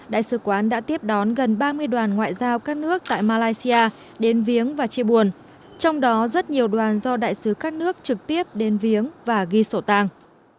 đại sứ quán đã tiếp đón gần ba mươi đoàn ngoại giao các nước tại malaysia đến viếng và chia buồn trong đó rất nhiều đoàn do đại sứ các nước trực tiếp đến viếng và ghi sổ tang